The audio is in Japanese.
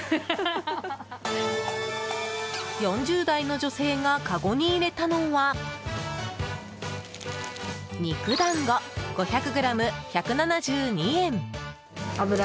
４０代の女性がかごに入れたのは肉だんご、５００ｇ１７２円。